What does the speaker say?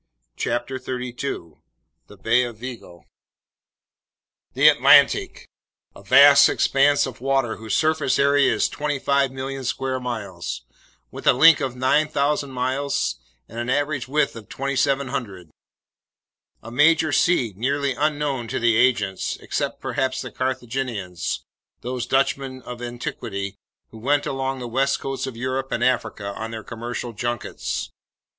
CHAPTER 8 The Bay of Vigo THE ATLANTIC! A vast expanse of water whose surface area is 25,000,000 square miles, with a length of 9,000 miles and an average width of 2,700. A major sea nearly unknown to the ancients, except perhaps the Carthaginians, those Dutchmen of antiquity who went along the west coasts of Europe and Africa on their commercial junkets!